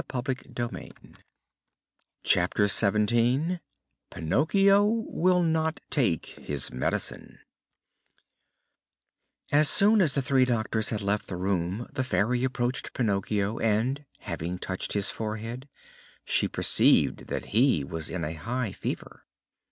CHAPTER XVII PINOCCHIO WILL NOT TAKE HIS MEDICINE As soon as the three doctors had left the room the Fairy approached Pinocchio and, having touched his forehead, she perceived that he was in a high fever.